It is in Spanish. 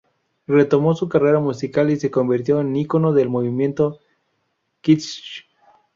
Retomó su carrera musical y se convirtió en ícono del movimiento "kitsch".